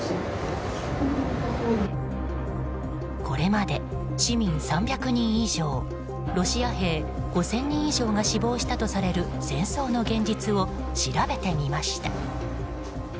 これまで市民３００人以上ロシア兵５０００人以上が死亡したとされる戦争の現実を調べてみました。